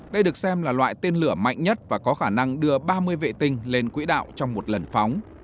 đây được xem là loại tên lửa mạnh nhất và có khả năng đưa ba mươi vệ tinh lên quỹ đạo trong một lần phóng